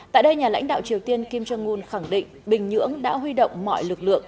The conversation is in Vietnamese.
tại đây nhà lãnh đạo triều tiên kim jong un khẳng định bình nhưỡng đã huy động mọi lực lượng